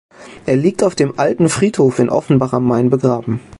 Er liegt auf dem Alten Friedhof in Offenbach am Main begraben.